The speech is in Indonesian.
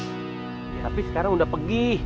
tapi sekarang udah pergi